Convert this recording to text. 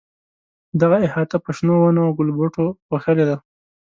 دغه احاطه په شنو ونو او ګلبوټو پوښلې ده.